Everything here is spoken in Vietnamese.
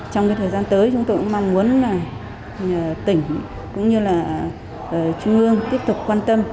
trong thời gian tới chúng tôi cũng mong muốn là tỉnh cũng như là trung ương tiếp tục quan tâm